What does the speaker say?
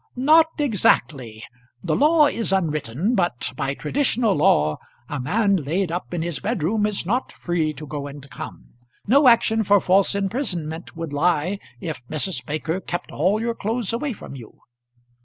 "Not exactly. The law is unwritten; but by traditional law a man laid up in his bedroom is not free to go and come. No action for false imprisonment would lie if Mrs. Baker kept all your clothes away from you."